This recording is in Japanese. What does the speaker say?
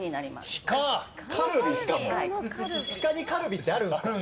シカにカルビってあるんですか。